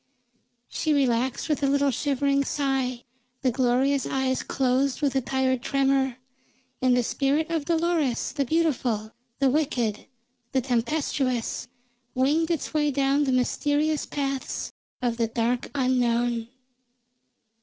She relaxed with a little shivering sigh, the glorious eyes closed with a tired tremor, and the spirit of Dolores the beautiful, the wicked, the tempestuous, winged its way down the mysterious paths of the dark unknown.